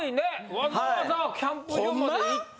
わざわざキャンプ場まで行って。